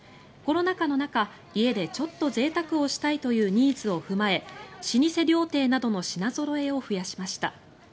コロナ禍の中家でちょっとぜいたくをしたいというニーズを踏まえ老舗料亭などの品ぞろえを増やしました。